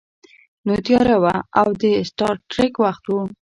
نو تیاره وه او د سټار ټریک وخت و